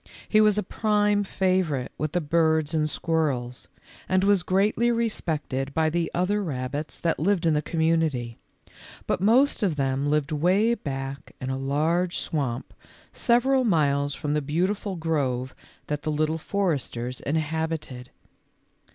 He was a prime favor ite with the birds and squirrels, and was greatly respected by the other rabbits that lived in the community ; but most of them lived way back in a large swamp several miles from the beautiful grove that the Little For esters inhabited.